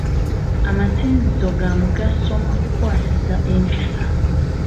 Amasinzizo ga mugaso mu kukwasisa empisa.